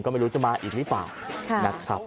ก็ไม่รู้จะมาอีกหรือเปล่านะครับ